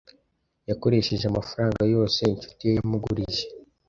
Yakoresheje amafaranga yose inshuti ye yamugurije.